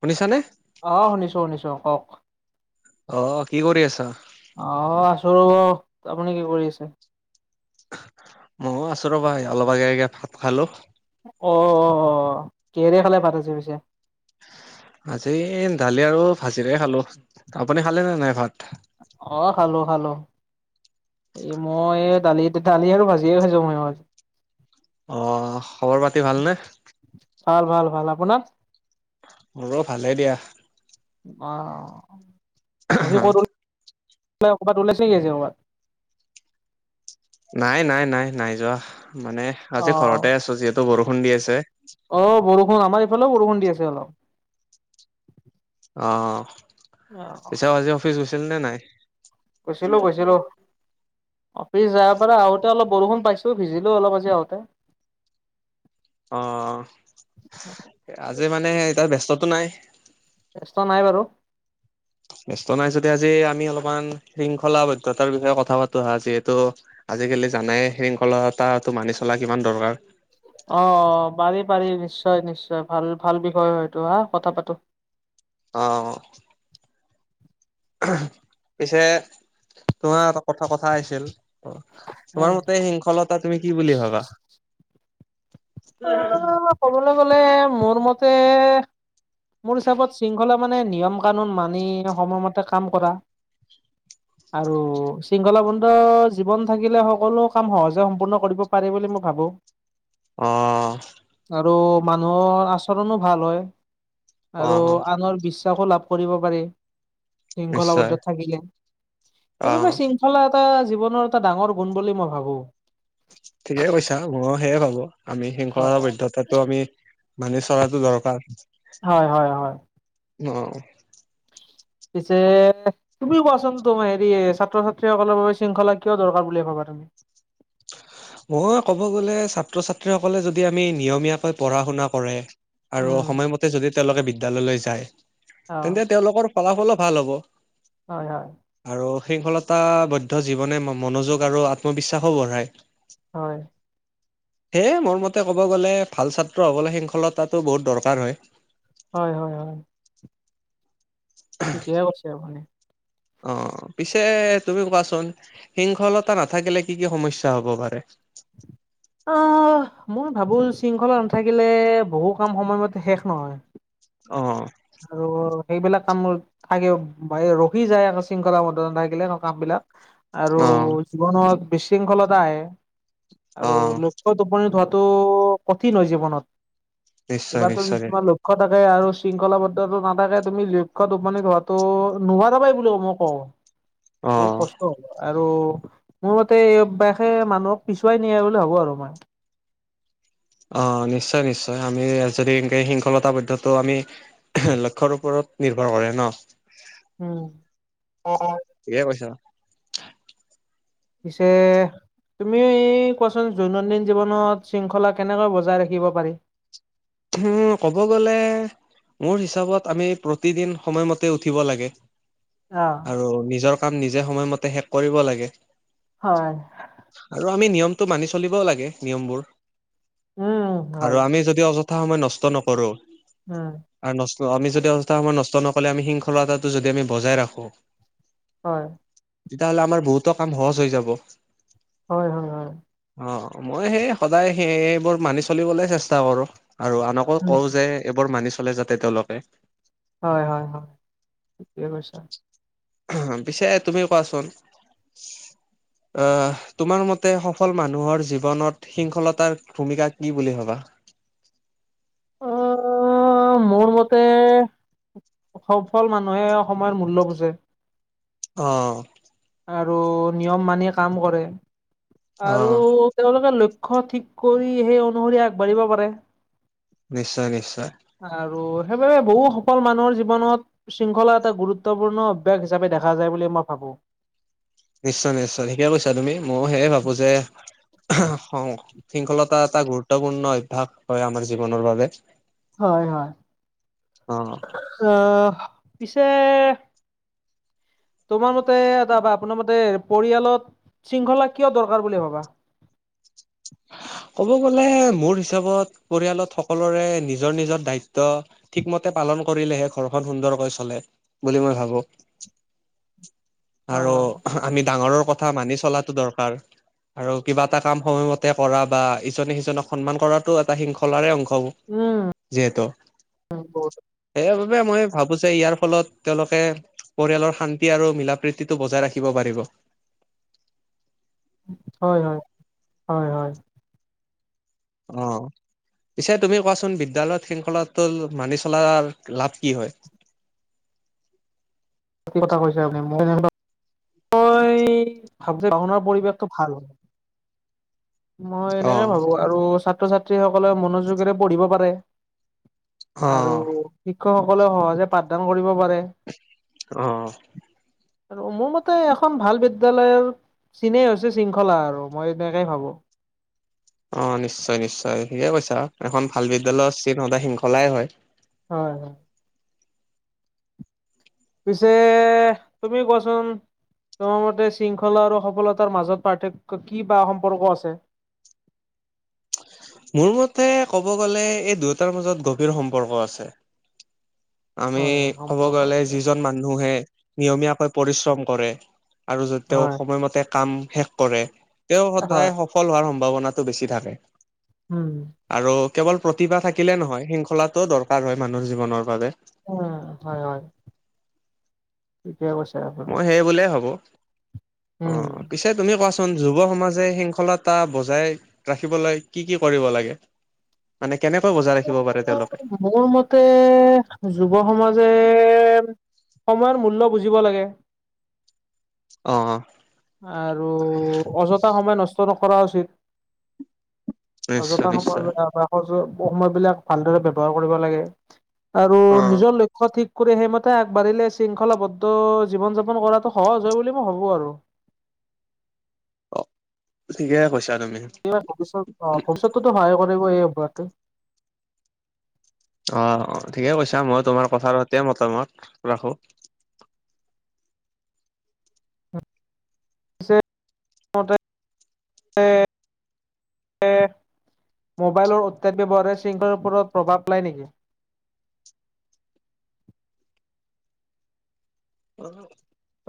শুনিছানে? অ শুনিছো শুনিছো কওক অ, কি কৰি আছা। অ, আছো ৰব আপুনি কি কৰি আছে। ময়ও আছো ৰবা অলপ আগেগে ভাত খালো অ অ কেহৰি খালে ভাত আছে পিছে আজি দালি আৰু ভাজিৰে খালো আপুনি খালে নে নাই ভাত অ খালো খালো এ মই দালি দালি আৰু ভাজিয়ে হৈ যো ময় আজ অ খবৰ পাতি ভালনে ভাল ভাল ভাল আপোনাৰ ৰ ভালে দিয়া অ আ কৰত ক'বাত ওলাইহি আ ক'বাত নাই নাই নাই নাই যোৱা মানে অ আজি ঘৰতে আছো যিহেতু বৰষুণ দি আছে অ বৰষুণ আমাৰ ইফালেও বৰষুণ দি আছে অলপ অ, অ পিছও আজি অফিচ গৈছিল নে নাই? গৈছিলো গৈছিলো। অফিচ যাৰ পৰা আহোতে অলপ বৰষুণ পাইছোঁ ভিজিলোঁ অলপ আজি আহোঁতে অ, আজি মানে এতিয়া ব্যস্ততটো নাই। ব্যস্ত নাই বাৰু। ব্যস্ত নাই যদি আজি আমি অলপমান শৃংখলাবদ্ধতাৰ বিষয়ে কথা পাতো হা যিহেতু। আজিকালি জানাই শৃংখলতাটো মানি চলা কিমান দৰকাৰ। অ, পাৰি পাৰি নিশ্চয় নিশ্চয় ভাল ভাল বিষয় হয়টো হা কথা পাতো। অ, পিছে তোমাৰ এ কথা কথা আহিছিল। অ, উম তোমাৰ মতে শিংখলত তুমি কি বুলি ভাবা। অ', ক'বলৈ গলে মোৰ মতে মোৰ হিচাপত শৃংখলা মানে নিয়ম কানুন মানি সময়মতে কাম কৰা। হয়। আৰু শৃংখলাবন্দ জীৱন থাকিলে সকলো কাম সহজে সম্পূৰ্ণ কৰিব পাৰে বুলি মই ভাবোঁ অঁ আৰু মানুহৰ আচৰণো ভাল হয় অ আৰু আনৰ বিশ্বাসো লাভ কৰে প নিশ্চয় শৃংখলাবদ্ধত থাকিলে অ সব আচাললে এটা জীৱনৰ এটা ডাঙৰ গুণ বুলি মই ভাবো ঠিকেই কৈছা ময়ো সেয়ে ভাবোঁ, আমি শৃংখলাৰ হয় বৈধ্যতাটো আমি মানি চলটো দৰকাৰ। হয় হয় হয় অ',। পিছে তুমি কোৱাচোন, তোম হেৰি ছাত্ৰ-ছাত্ৰীসকলৰ বাবে শৃংখলা কিয় দৰকাৰ বুলি ভাবা তুমি? মই ক'ব গ'লে, ছাত্ৰ ছাত্ৰী সকলে যদি আমি নিয়মীয়াকৈ পঢ়া শুনা কৰে আৰু উম সময়মতে যদি তেওঁলোকে বিদ্যালয়লৈ যায়, অ তেন্তে তেওঁলোকৰ ফলাফলো ভাল হ'ব। হয় হয়। আৰু শৃংখলতাবদ্ধ জীৱনে মনোযোগ আৰু আত্মবিশ্বাসো বঢ়ায়। হয়। সেয়ে, মোৰ মতে কব গলে, ভাল ছাত্ৰ হবলৈ শৃংখলতাটো বহুত দৰকাৰ হয়। হয় হয় হয়। ঠিকে কৈছা মানে। অ', পিছে তুমি কোৱাচোন, শিংখলতা নাথাকিলে কি কি সমস্যা হ'ব পাৰে? আহ, মই ভাবোঁ, শৃংখলা নাথাকিলে বহু কাম সময়মতে শেষ নহয়। অ',। আৰু সেইবিলাক কামবোৰ থাকিও বায়ো ৰখি যায় আকৌ শৃংখলা বদ্ধ নাথাকিলে কাম বিলাক। আৰু অ' জীৱনত বিশৃংখলতা আহে। আৰু অ' লক্ষ্যত উপনীত হোৱাটো কঠিন হয় জীৱনত। নিশ্চয় কিবা তো নিশ্চয় তোমাৰ ল লক্ষ্য থাকে আৰু শৃংখলাবদ্ধতো নাথাকে, তুমি লক্ষ্যত উপনীত হোৱাতো নোৱাৰাবাই বুলি মই কওঁ। বহুত অ' কষ্ট, আৰু মোৰ মতে, এই অভ্যাসে মানুহক পিছুৱাই নিয়ে বুলি ভাবোঁ আৰু মই। অ', নিশ্চয় নিশ্চয় আমি যদি এনকে শৃংখলতাবদ্ধতো আমি লক্ষ্যৰ ওপৰত নিৰ্ভৰ কৰে ন। উম, অ', অ',। ঠিকে কৈছ। পিছে তুমি কোৱাচোন, দৈনন্দিন জীৱনত শৃংখলা কেনেকৈ বজাই ৰাখিব পাৰি? উম, ক'ব গ'লে মোৰ হিচাপত, আমি প্ৰতিদিন সময়মতে উঠিব লাগে। অ',। আৰু নিজৰ কাম নিজে সময়মতে শেষ কৰিব লাগে। হয়। আৰু আমি নিয়মতটো মানি চলিবও লাগে নিয়মবোৰ। উম হয় আৰু আমি যদি অযথা সময় নষ্ট নকৰোঁ উম। আৰু নষ্ট আমি যদি অযথা সময়ত নষ্ট নকলে, আমি শৃংখলতাটো যদি আমি বজাই ৰাখো হয়। তেতিয়াহ'লে আমাৰ বহুতো কাম সহজ হৈ যাব। হয় হয়। হয় অ', মই সেই সদায় সেই সেইবোৰ মানি চলিবলৈ চেষ্টা কৰো আৰু আনক আকৌ উম কওঁ যে, এইবোৰ মানি চলে যাতে তেওঁলোকে হয় হয় হয়, ঠিকে কৈছা। পিছে তুমি কোৱাচোন আহ, তোমাৰ মতে সফল মানুহৰ জীৱনত শৃংখলতাৰ ভূমিকা কি বুলি ভবা? অ', মোৰ মতে সফল মানুহে সময়ৰ মূল্য বুজে। অ'। আৰু নিয়ম মানি কাম কৰে, অ আৰু তেওঁলোকে লক্ষ্য ঠিক কৰি, সেই অনুসৰি আগবাঢ়িব পাৰে। নিশ্চয় নিশ্চয়। আৰু সেইবাবে বহু সফল মানুহৰ জীৱনত শৃংখলা এটা গুৰুত্বপূৰ্ণ অভ্যাস হিচাপে দেখা যায় বুলি মই ভাবো। নিশ্চয় নিশ্চয় ঠিকেই কৈছা তুমি, ময়ো সেয়ে ভাবো, যে শৃংখলতা এটা গুৰুত্বপূৰ্ণ অভ্যাস হয় আমাৰ জীৱনৰ বাবে। হয় হয়, অ আহ, পিছে তোমাৰ মতে এটাৰ আপোনাৰ মতে পৰিয়ালত শৃংখলা কিয় দৰকাৰ বুলি ভাবা? ক'ব গলে মোৰ হিচাপত পৰিয়ালত সকলোৰে নিজৰ নিজৰ দায়িত্ব ঠিকমতে পালন কৰিলেহে ঘৰখন সুন্দৰকৈ চলে, বুলি মই ভাবো। হয় আৰু হয়। আমি ডাঙৰৰ কথা মানি চলাটো দৰকাৰ, আৰু কিবা এটা কাম সময় মতে তে কৰা বা ইজনে সিজনক সন্মান কৰাতটো এটা শৃংখলাৰে অংশ হ'ব। উম। যিহেতু, বহুত সেইবাবে মই ভাবো যে ইয়াৰ ফলত তেওঁলোকে পৰিয়ালৰ শান্তি আৰু মিলা প্ৰীতিটো বজাই ৰাখিব পাৰিব। হয় হয়, হয় হয়। অ'। পিছে তুমি কোৱাচোন বিদ্যালয়ত শৃংখলাটো মানি চলাৰ লাভ কি হয়? [unintelligible] ভাব বৰ পৰিৱেশটো ভাল, হয়। মই এনেকে অ', ভাব, আৰু ছাত্ৰ ছাত্ৰীসকলে মনোযোগেৰে পঢ়িব পাৰে, আৰু অ', শিক্ষকসকলেও সহজে পাঠদান কৰিব পাৰে। অ'। আৰু মোৰ মতে এখন ভাল বিদ্য়ালয়ৰ চিনে হৈছে শৃংখলা আৰু, মই এনেকেই ভাবো। অ' নিশ্চয় নিশ্চয় ঠিকে কৈছা, এখন ভাল বিদ্যালয়ৰ চিন সদা শৃংখলাই হয়। হয় হয়। পিছে তুমি কোৱাচোন তোমাৰ মতে শৃংখলা আৰু সফলতাৰ মাজত পাৰ্থক্য কি বা সম্পৰ্ক আছে? মোৰ মতে ক'ব গ'লে এই দুয়োটাৰ মাজত গভীৰ সম্পৰ্ক আছে। আমি হয় হয় ক'ব সম্পৰ্ক গ'লে আছে। যিজন মানুহে নিয়মীয়াকৈ পৰিশ্ৰম কৰে আৰু য'ত তেওঁ হয় সময়মতে কাম শেষ কৰে, তেওঁ হয়। সদায় ফল হোৱাৰ সম্ভাৱনাটো বেছি থাকে। উম। আৰু কেৱল প্ৰতিভা থাকিলে নহয়, শৃংখলাটোও দৰকাৰ হয় মানুহৰ জীৱনৰ বাবে। উ হয় হয়। ঠিকে কৈছা। মই সেই বোলে হ'ব, উম। অ' পিছে তুমি কোৱাচোন। যুৱ সমাজে শৃংখলতা বজাই ৰাখিবলৈ কি কি কৰিব লাগে? মানে কেনেকৈ বজাই ৰাখিব পাৰে তেওঁলোকে? মোৰ মতে, যুৱ সমাজে সময়ৰ মূল্য বুজিব লাগে। অ'। আৰু অযথা সময় নষ্ট নকৰা উচিত। নিশ্চয় অযথা সময়ব নিশ্চয় স সময় বিলাক ভালদৰে ব্যৱহাৰ কৰিব লাগে। আৰু অ'। নিজৰ লক্ষ ঠিক কৰি সেইমতে আগবাঢ়িলে শৃংখলাবদ্ধ জীৱন যাপন কৰাটো সহজ হয় বুলি মই ভাবো আৰু। অ', ঠিকে কৈছা তুমি। ইয়াৰ ভৱিষ্যত অ ভৱিষ্যতটোতো সহায় কৰিবৈ এই অভ্যাসে। অ, অ, ঠিকে কৈছা মই তোমাৰ কথা এতিয়াই মতামত ৰাখো। [inaudible] [inaudible] মোবাইলৰ অত্যাধিক ব্যৱহাৰে শৃংখলৰ ওপৰত প্ৰভাৱ পেলাই নেকি?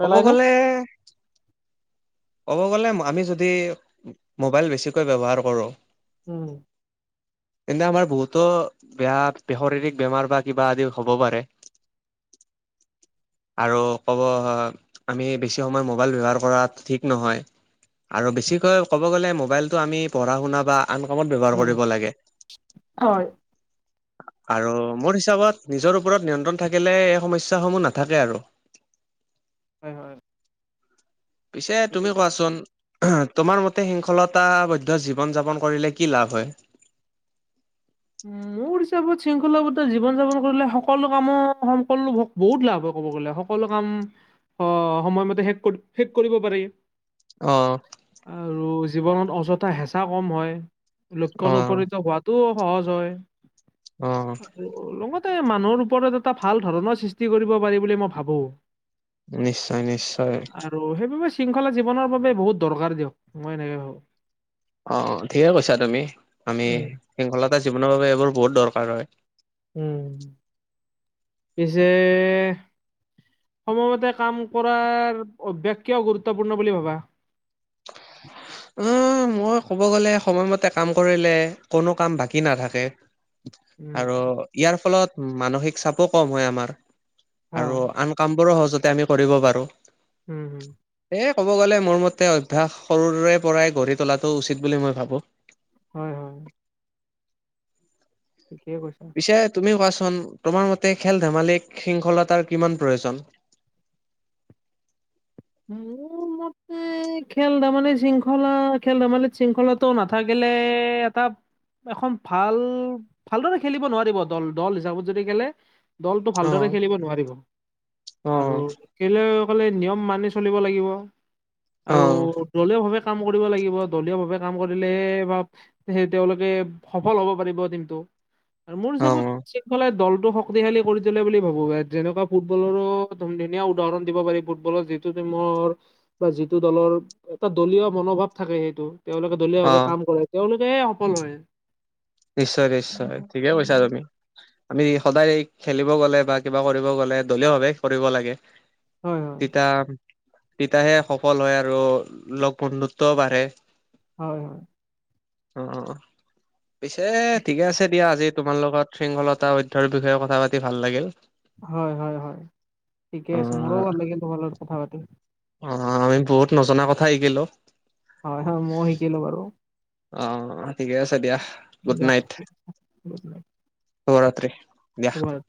ক'ব নে? গলে ক'ব গ'লে আমি যদি মোবাইল বেছিকৈ ব্যৱহাৰ কৰোঁ, উম, [unintelligible] এনে আমাৰ বহুতো বেয়া শাৰীৰিক বেমাৰ বা কিবা আদি হব পাৰে। [unintelligible] আৰু ক'ব আমি বেছি সময় মোবাইল ব্যৱহাৰ কৰা ঠিক নহয় আৰু বেছিকৈ ক'ব গ'লে মোবাইলটো আমি পঢ়া শুনা বা আন কামত ব্যৱহাৰ উম। কৰিব লাগে। হয়। আৰু মোৰ হিচাপত নিজৰ ওপৰত নিয়ন্ত্ৰণ থাকিলে এই সমস্যাসমূহ নাথাকে আৰু। হয়, হয়। পিছে তুমি কোৱাচোন, তোমাৰ মতে শৃংখলতাবদ্ধ জীৱন যাপন কৰিলে কি লাভ হয়? উম ত শৃংখলাবতা জীৱন যাপন কৰিলে সকলো কামৰ সকলো বহুত লাভ হয় কব গ'লে সকলো কাম আহ সময়মতে শেষ শেষ কৰিব পাৰি। অ, আৰু জীৱনত অযথা হেঁচা কম হয় লক্ষণ অ', উপনীত হোৱাতো সহজ হয়। অ, আৰু লগতে মানুহৰ ওপৰত এটা ভাল ধৰণৰ সৃষ্টি কৰিব পাৰি বুলি মই ভাবো। নিশ্চয়, নিশ্চয়। আৰু সেইবাবে শৃংখলা জীৱনৰ বাবে বহুত দৰকাৰ দিয়ক, মই এনেকে ভাবো। অ অ ঠিকে কৈছা তুমি আমি উম, শৃংখলতা জীৱনৰ বাবে এইবোৰ বহুত দৰকাৰ হয়। উম, পিছে, সময়মতে কাম কৰাৰ অভ্যাস কিয় গুৰুত্বপূৰ্ণ বুলি ভাবা? অ, মই ক'ব গ'লে সময়মতে কাম কৰিলে কোনো কাম বাকী নাথাকে। উম, আৰু ইয়াৰ ফলত মানসিক চাপো কম হয় আমাৰ হয়, আৰু আন কামবোৰো সহজতে আমি কৰিব পাৰোঁ। উম হুম। এ, ক'ব গ'লে মোৰ মতে অভ্যাস সৰুৰে পৰাই গঢ়ি তোলাটো উচিত বুলি মই ভাবো। হয়, হয়। ঠিকে কৈছা। পিছে তুমি কোৱাচোন তোমাৰ মতে খেল ধেমালি শৃংখলতাৰ কিমান প্ৰয়োজন? উম মোৰ মতে এ খেল ধেমালিত শৃংখলা খেল ধেমালিত শৃংখলাটো নাথাকিলে এটা এখন ভাল ভালদৰে খেলিব নোৱাৰিব দল দল হিচাপত যদি খেলে, দলটো ভালদৰে অ', খেলিব নোৱাৰিব আৰু অ', খলিলে নিয়ম মানি চলিব লাগিব। আৰু অ', দলীয় ভাৱে কাম কৰিব লাগিব দলীয় ভাৱে কাম কৰিলে বা স তেওঁলোকে সফল হব পাৰিব টমটো আৰু মোৰ হিচাপত অ', শৃং দলটো শক্তিশালী কৰি তলে বুলি ভাবো যেনেকুৱা ফুটবলৰো ধুনীয়া উদাহৰণ দিব পাৰি ফুটবলৰ যি মোৰ বা যিটো দলৰ এটা দলীয় মনোভাৱ থাকে সেইটো তেওঁলোকে। দলীয় ভাৱে অ', কাম কৰে তেওঁলোকে সফল হয়। নিশ্চয় নিশ্চয় ঠিকে কৈছা উম, তুমি। আমি সদায় খেলিব গলে বা কিবা কৰিব গলে দলীয় ভাৱে কৰিব লাগে। হয় হয় তিতা তিতাহে সফল হয় আৰু লগ বন্ধুত্বও বাঢ়ে। হয়, হয়। অঁ, অঁ, অঁ পিছে ঠিকে আছে দিয়া, আজি তোমাৰ লগত শৃংখলতা অধ্যায়ৰ বিষয়ে কথা পাতি ভাল লাগিল। হয়, হয়, হয় ঠিকে আছে মোৰো ভাল লাগিল তোমাৰ লগত কথা পাতি। অঁ, আমি বহুত নজনা কথা শিকিলো। হয়, হয় মই শিকিলো বাৰু? অঁ, ঠিকে আছে দিয়া গুড দিয়া নাইট ঠিক গুড নাইট শুভৰাত্ৰি। দিয়াহ। শুভৰাত্ৰি